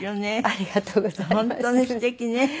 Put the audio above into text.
ありがとうございます。